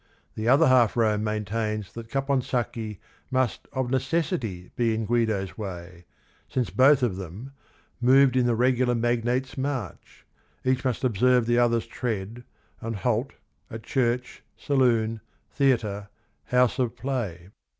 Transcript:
The Ot her Half Ro me maintains that Ca ponsacchi must of n ecessity be in Guido's way, since_b_Gin_ot them "moved in the regular magnate's march; Each must observe the other's tread and halt At church, saloon, theatre, house of play."